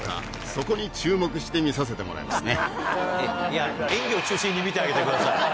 そこに注目して見させてもらいますね。